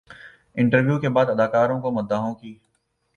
interview کے بعد اداکار کو مداحوں کی